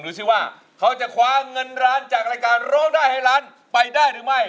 ดูสิว่าเขาจะคว้าเงินล้านจากรายการร้องได้ให้ล้านไปได้หรือไม่